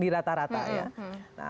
di rata rata ya